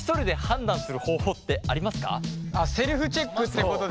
セルフチェックってことだよね？